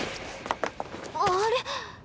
あれ？